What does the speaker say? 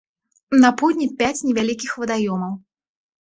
На поўдні пяць невялікіх вадаёмаў.